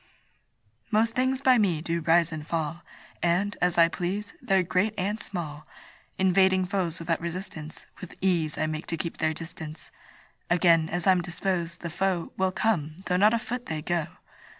Most things by me do rise and fall, And, as I please, they're great and small; Invading foes without resistance, With ease I make to keep their distance: Again, as I'm disposed, the foe Will come, though not a foot they go.